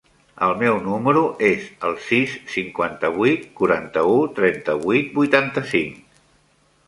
El meu número es el sis, cinquanta-vuit, quaranta-u, trenta-vuit, vuitanta-cinc.